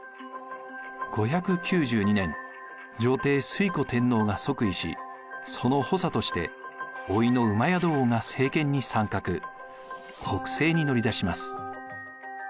５９２年女帝推古天皇が即位しその補佐としておいの戸王が政権に参画国政に乗り出します。